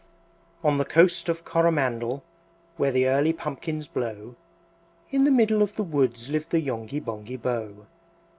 On the Coast of Coromandel Where the early pumpkins blow, In the middle of the woods Lived the Yonghy Bonghy Bò.